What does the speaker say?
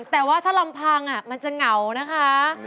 แต่ว่าถ้าลำพังมันจะเหงานะคะ